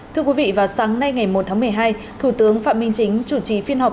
thưa quý vị vào sáng nay ngày một tháng một mươi hai thủ tướng phạm minh chính chủ trì phiên họp